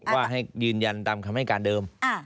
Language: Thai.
ว่าให้ยืนยันตามคำให้การเดิม